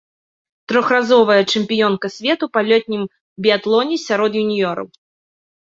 Трохразовая чэмпіёнка свету па летнім біятлоне сярод юніёраў.